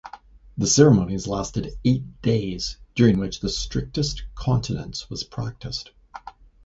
The ceremonies lasted eight days, during which the strictest continence was practiced.